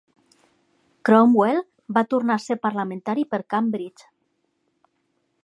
Cromwell va tornar a ser parlamentari per Cambridge.